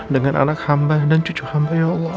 dengan anak hamba dan cucu hamba ya allah